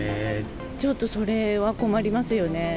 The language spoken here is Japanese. ちょっとそれは困りますよね。